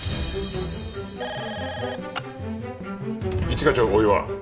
一課長大岩。